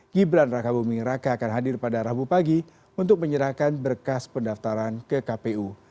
gibran raka buming raka akan hadir pada rabu pagi untuk menyerahkan berkas pendaftaran ke kpu